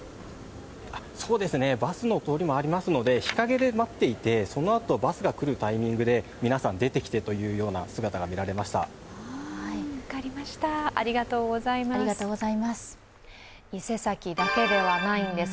そうですね、バスの通りもありますので、日陰で待っていて、そのあとバスが来るタイミングで皆さん、出てくる姿が見られました伊勢崎だけではないんです。